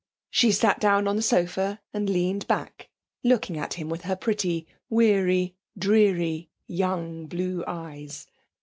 She sat down on the sofa, and leaned back, looking at him with her pretty, weary, dreary, young, blue eyes.